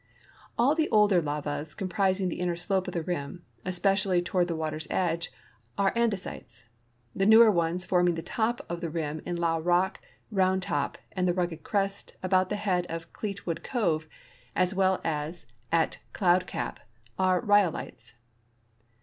All the older lavas comprising the inner slope of the rim, espe cially toward the water's edge, are andesites. The newer ones forming the top of the rim in Llao rock. Round Top, and the Rugged Crest about the head of Cleetwood cove, as well as at Cloud Cap, are rhyolites.